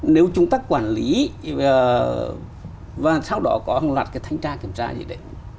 nếu chúng ta quản lý và sau đó có hàng loạt cái thanh tra kiểm tra gì đấy